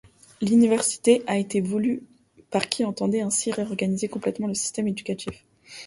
L'Université a été voulue par qui entendait ainsi réorganiser complètement le système éducatif.